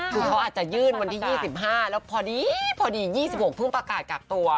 คือเขาอาจจะยื่นวันที่๒๕แล้วพอดี๒๖เพิ่งประกาศกักตัว